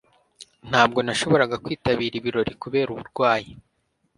ntabwo nashoboraga kwitabira ibirori kubera uburwayi